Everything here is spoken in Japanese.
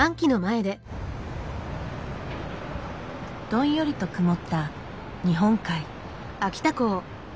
どんよりと曇った日本海。